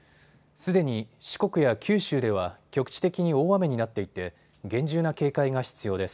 すでに四国や九州では局地的に大雨になっていて厳重な警戒が必要です。